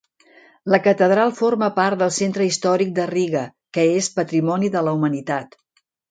La catedral forma part del Centre Històric de Riga, que és Patrimoni de la Humanitat.